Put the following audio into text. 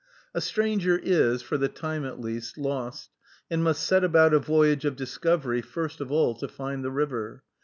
A stranger is, for the time at least, lost, and must set about a voyage of discovery first of all to find the river.